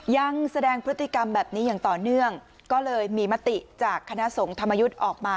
ยังแสดงพฤติกรรมแบบนี้อย่างต่อเนื่องก็เลยมีมติจากคณะสงฆ์ธรรมยุทธ์ออกมา